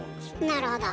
なるほど。